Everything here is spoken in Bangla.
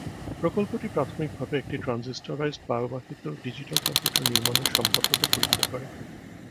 প্রকল্পটি প্রাথমিকভাবে একটি ট্রানজিস্টরাইজড বায়ুবাহিত ডিজিটাল কম্পিউটার নির্মাণের সম্ভাব্যতা পরীক্ষা করে।